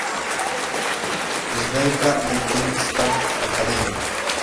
Svenska Vetenskaps-Akademien".